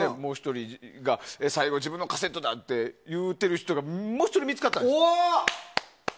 最後、自分のカセットだって言っている人がもう１人、見つかったんですよ。